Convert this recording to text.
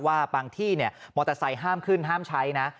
ว่าบางที่มอเตอร์ไซค์ห้ามขึ้นห้ามใช้นะ